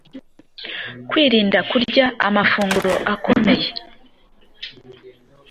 Kwirinda kurya amafunguro akomeye